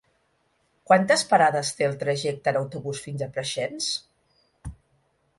Quantes parades té el trajecte en autobús fins a Preixens?